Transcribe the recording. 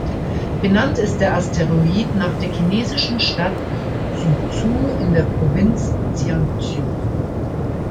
Benannt ist der Asteroid nach der chinesischen Stadt Suzhou in der Provinz Jiangsu.